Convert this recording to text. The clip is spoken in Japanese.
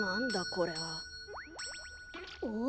これは。おっ？